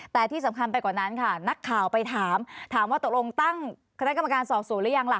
แต่ที่สำคัญไปกว่านั้นค่ะนักข่าวไปถามถามว่าตกลงตั้งคณะกรรมการสอบสวนหรือยังล่ะ